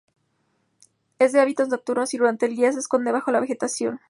Es de hábitos nocturnos y durante el día se esconde bajo la vegetación.